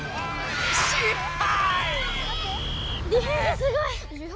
失敗！